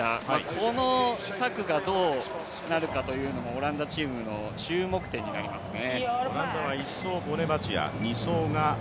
この策がどうなるかというのもオランダチームの注目点になりますね。